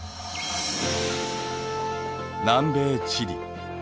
南米チリ。